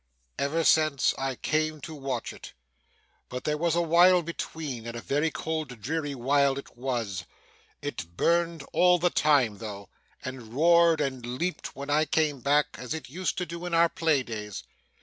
'Ever since I came to watch it; but there was a while between, and a very cold dreary while it was. It burned all the time though, and roared and leaped when I came back, as it used to do in our play days.